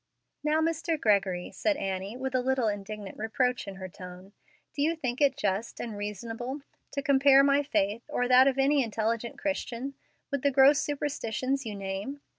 "Now, Mr. Gregory," said Annie, with a little indignant reproach in her tone, "do you think it just and reasonable to compare my faith, or that of any intelligent Christian, with the gross superstitions you name?